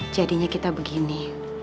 jadinya kita begini